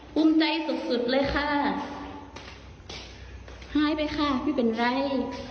ภูมิใจสุดสุดเลยค่ะหายไปค่ะไม่เป็นไร